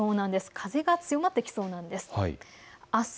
風が強まってきそうなんです。